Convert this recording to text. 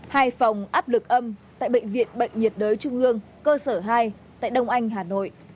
hai phòng áp lực âm tại bệnh viện bệnh nhiệt đới trung ương cơ sở hai tại đông anh hà nội